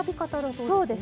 そうですね。